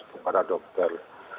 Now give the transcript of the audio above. untuk para dokter